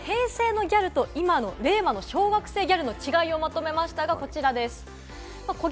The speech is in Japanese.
改めて平成のギャルと今の令和の小学生ギャルの違いをまとめました。